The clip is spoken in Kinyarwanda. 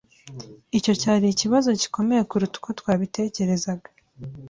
Icyo cyari ikibazo gikomeye kuruta uko twabitekerezaga.